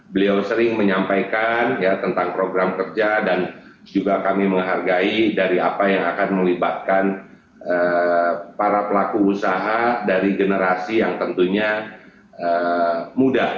beliau sering menyampaikan tentang program kerja dan juga kami menghargai dari apa yang akan melibatkan para pelaku usaha dari generasi yang tentunya muda